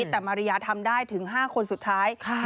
แต่มาริยาทำได้ถึง๕คนสุดท้าย